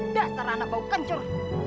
dasar anak bau kencur